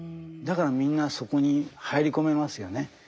だからみんなそこに入り込めますよね。